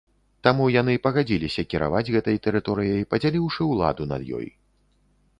Таму яны пагадзіліся кіраваць гэтай тэрыторыяй, падзяліўшы ўладу над ёй.